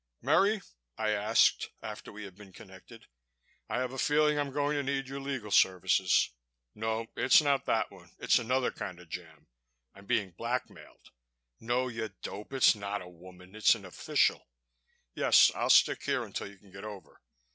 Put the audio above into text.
"Merry?" I asked, after we had been connected. "I have a feeling I'm going to need your legal services.... No, it's not that one ... it's another kind of jam ... I'm being blackmailed.... No, you dope, it's not a woman, it's an official.... Yes, I'll stick here until you can get over....